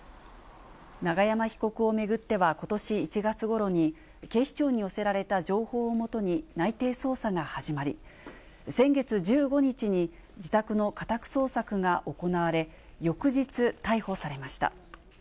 永山被告を巡っては、ことし１月ごろに、警視庁に寄せられた情報をもとに内偵捜査が始まり、先月１５日に自宅の家宅捜索が行われ、翌日、逮捕されました。